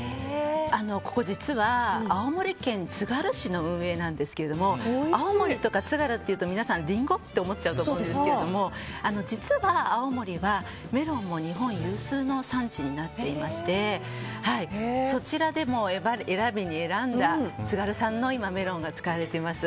ここ実は、青森県つがる市の運営なんですが青森とか津軽っていうとリンゴって思っちゃうと思うんですけど実は青森はメロンも日本有数の産地になっていましてそちらでも、選びに選んだ津軽産のメロンが使われております。